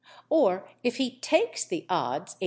_ Or if he takes the odds 18_l.